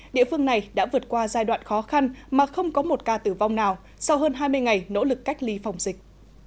địa phương này đã vượt qua giai đoạn khó khăn mà không có một ca tử vong nào sau hơn hai mươi ngày nỗ lực cách ly phòng dịch